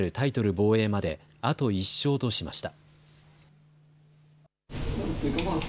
防衛まであと１勝としました。